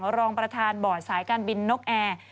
รองประธานบอร์ดสายการบินนกแอร์